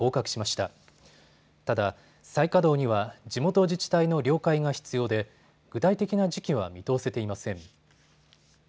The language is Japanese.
ただ再稼働には地元自治体の了解が必要で具体的な時期は見通せていません。